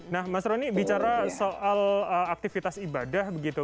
nah mas roni bicara soal aktivitas ibadah begitu